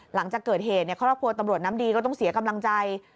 หลังจากเกิดเหตุครอบครัวตำรวจน้ำดีก็ต้องเสียกำลังใจ